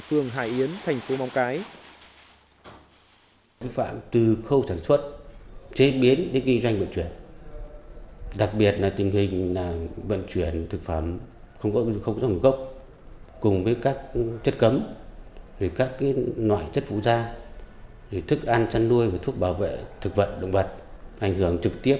phương hải yến thành phố mong cái